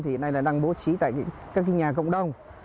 thì hiện nay là đang bố trí tại các nhà cộng đồng